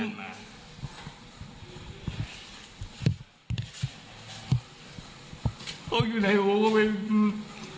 อ้าวบางทีนัทธพลก็ต้องหันมาดูตัวเองนะครับ